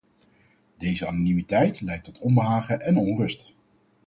Deze anonimiteit leidt tot onbehagen en onrust.